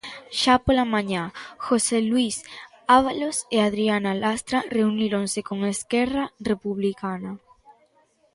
Xa pola mañá, José Luís Ábalos e Adriana Lastra reuníronse con Esquerra Republicana.